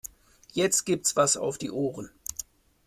Jetzt gibt's was auf die Ohren.